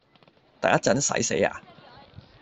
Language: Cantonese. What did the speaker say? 等一陣洗死呀？